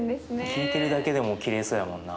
聞いてるだけでもきれいそうやもんな。